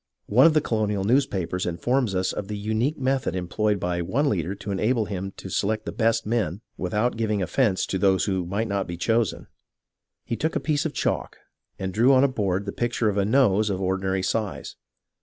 One of the Colonial newspapers informs us of the unique method employed by one leader to enable him to select the best men without giving offence to those who might not be chosen. He took a piece of chalk and drew on a board the picture of a nose of ordinary size.